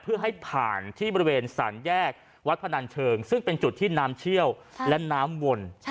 เพื่อให้ผ่านที่บริเวณสามแยกวัดพนันเชิงซึ่งเป็นจุดที่น้ำเชี่ยวและน้ำวน